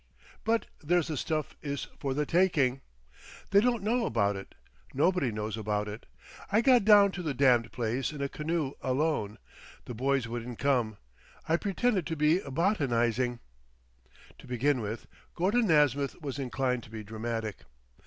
"But there the stuff is for the taking. They don't know about it. Nobody knows about it. I got down to the damned place in a canoe alone. The boys wouldn't come. I pretended to be botanising." ... To begin with, Gordon Nasmyth was inclined to be dramatic.